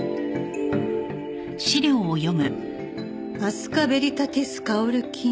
アスカベリタティスカオル菌？